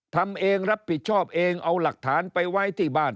ทำเองรับผิดชอบเองเอาหลักฐานไปไว้ที่บ้าน